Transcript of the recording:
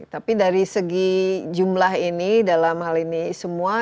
tapi dari segi jumlah ini dalam hal ini semua